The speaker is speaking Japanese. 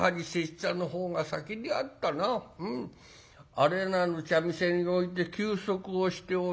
あれなる茶店において休息をしておる。